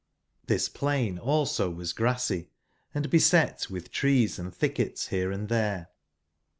tlbis plain also was grassy and 105 beset with trees and thickets here and there.